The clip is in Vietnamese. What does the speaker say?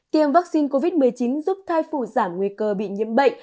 tiêm vaccine covid một mươi chín giúp thai phụ giảm nguy cơ bị nhiễm bệnh